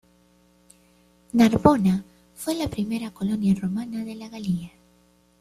Narbona fue la primera colonia romana de la Galia.